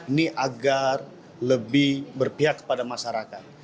ini agar lebih berpihak kepada masyarakat